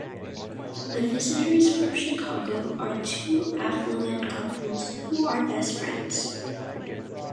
The "Visitors from Chicago" are two affluent couples who are best friends.